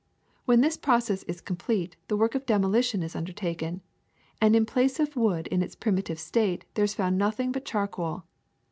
When this process is complete the work of demolition is undertaken, and in place of wood in its primitive state there is found nothing but charcoal.